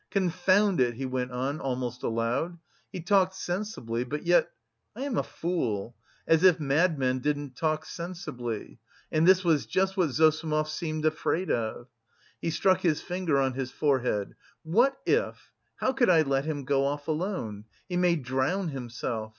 "Confound it," he went on almost aloud. "He talked sensibly but yet... I am a fool! As if madmen didn't talk sensibly! And this was just what Zossimov seemed afraid of." He struck his finger on his forehead. "What if... how could I let him go off alone? He may drown himself....